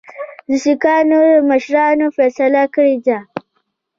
د سیکهانو مشرانو فیصله کړې ده.